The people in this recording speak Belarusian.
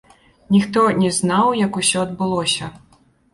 Ніхто не знаў, як ўсё адбылося.